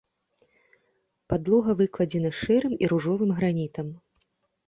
Падлога выкладзена шэрым і ружовым гранітам.